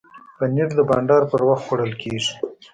پنېر د بانډار پر وخت خوړل کېږي.